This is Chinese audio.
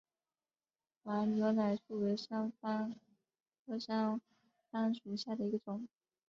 黄牛奶树为山矾科山矾属下的一个种。